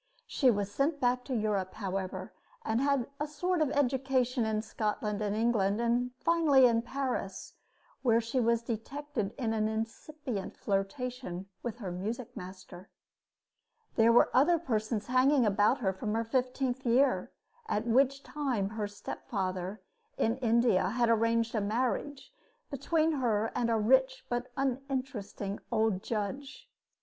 She was sent back to Europe, however, and had a sort of education in Scotland and England, and finally in Paris, where she was detected in an incipient flirtation with her music master. There were other persons hanging about her from her fifteenth year, at which time her stepfather, in India, had arranged a marriage between her and a rich but uninteresting old judge.